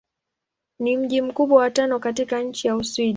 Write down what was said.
Ni mji mkubwa wa tano katika nchi wa Uswidi.